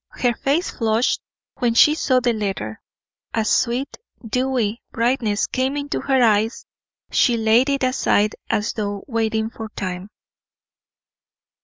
Her face flushed when she saw the letter; a sweet, dewy brightness came into her eyes; she laid it aside as though waiting for time.